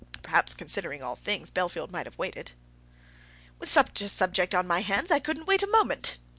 Perhaps, considering all things, Bellfield might have waited." "With such a subject on my hands, I couldn't wait a moment."